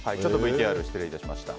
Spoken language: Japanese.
ＶＴＲ失礼しました。